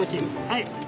はい。